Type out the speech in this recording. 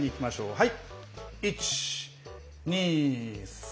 はい。